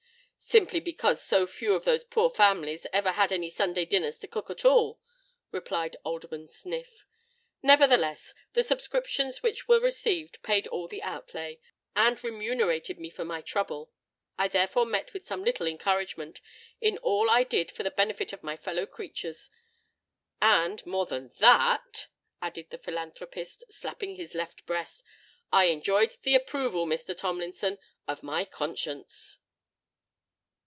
"Simply because so few of those poor families ever had any Sunday dinners to cook at all," replied Alderman Sniff. "Nevertheless, the subscriptions which were received paid all the outlay, and remunerated me for my trouble. I therefore met with some little encouragement in all I did for the benefit of my fellow creatures; and, more than that," added the philanthropist, slapping his left breast," I enjoyed the approval, Mr. Tomlinson, of my conscience."